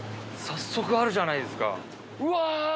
早速あるじゃないですか。